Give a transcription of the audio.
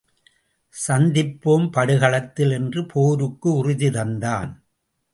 சந்திப்போம் படுகளத்தில் என்று போருக்கு உறுதி தந்தான்.